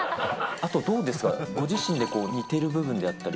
あとどうですか、ご自身でこう似てる部分であったり。